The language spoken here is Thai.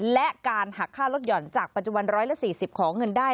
และการหักค่าลดห่อนจากปัจจุบัน๑๔๐ของเงินได้